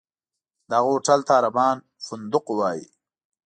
دغه هوټل ته عربان فندق وایي.